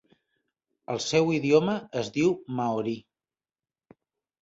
El seu idioma es diu maori.